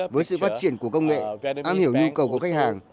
với sự phát triển của công nghệ am hiểu nhu cầu của khách hàng